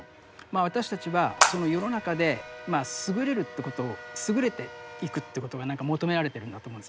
私たちはその世の中で優れるということを優れていくということが何か求められてるんだと思うんです。